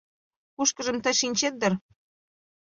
Кушкыжым тый шинчет дыр?